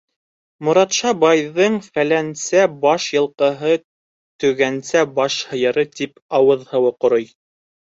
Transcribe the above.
Моратша байҙың фәләнсә баш йылҡыһы, төгәнсә баш һыйыры, тип ауыҙ һыуы ҡорой.